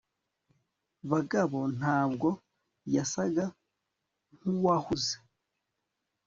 kagabo ntabwo yasaga nkuwahuze